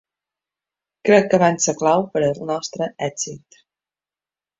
Crec que van ser clau per al nostre èxit.